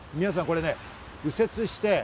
皆さん、これね右折して。